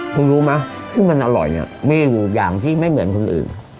คุณรู้ไหมที่มันอร่อยเนี่ยมีอยู่อย่างที่ไม่เหมือนคนอื่น